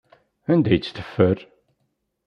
Anda ay tt-teffer?